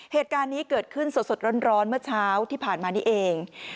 เหตุการณ์นี้เกิดขึ้นสดร้อนเมื่อเช้าที่ผ่านมานี้เอง